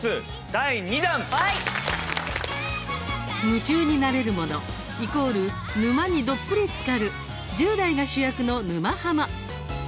夢中になれるもの、イコール沼にどっぷりつかる１０代が主役の「沼ハマ」。